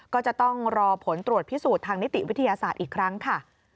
ก็จะต้องรอผลตรวจพิสูจน์ทางนิติวิทยาศาสตร์อีกครั้งค่ะ